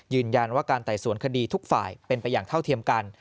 ยืนยันว่าการไต่สวนคดีทุกฝ่ายเป็นไปอย่างเท่าเทียมกัน